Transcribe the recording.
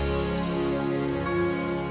sampai jumpa lagi